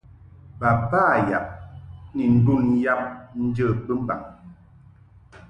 Baba yab ni ndun yab njə bɨmbaŋ.